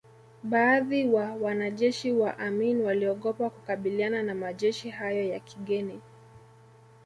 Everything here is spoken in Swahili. Baadhi wa wanajeshi wa Amin waliogopa kukabiliana na majeshi hayo ya kigeni